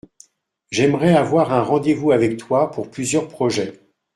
J’aimerais avoir un rendez-vous avec toi pour plusieurs projets.